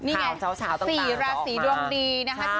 ี่ไงสีตราสีดวงดี